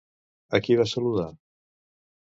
A qui va saludar?